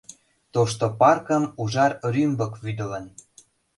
Тошто паркым ужар рӱмбык вӱдылын.